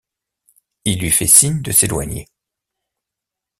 Il lui fait signe de s’éloigner.